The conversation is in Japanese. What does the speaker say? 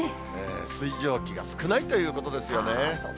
水蒸気が少ないということですよね。